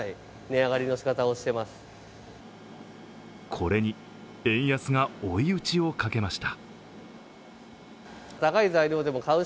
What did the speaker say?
これに円安が追い打ちをかけました。